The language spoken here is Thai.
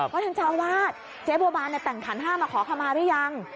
ว่าท่านเจ้าอาวาทเจ๊บัวบานเนี่ยแต่งฐานห้ามาขอขมาหรือยัง